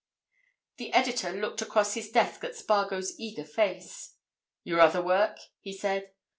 The editor looked across his desk at Spargo's eager face. "Your other work?" he said.